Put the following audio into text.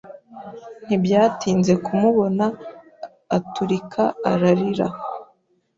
Ntibyatinze kumubona aturika ararira.